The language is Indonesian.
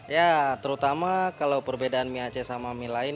ya terutama kalau perbedaan mie aceh sama mie lain